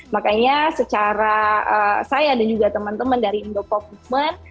makanya secara saya dan juga teman teman dari indo pop movement